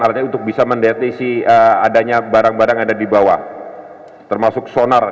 artinya untuk bisa mendeteksi adanya barang barang yang ada di bawah termasuk sonar